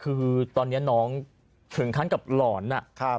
คือตอนเนี้ยน้องเฉินขั้นกับหล่อนอ่ะค่ะ